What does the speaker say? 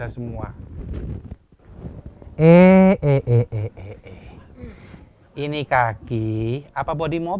semua eh eh eh eh eh eh eh eh eh eh ni pies apa unuz er ini vagy gitu udah s barangnyaernya